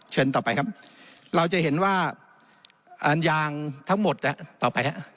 ต่อไปครับเราจะเห็นว่ายางทั้งหมดต่อไปฮะ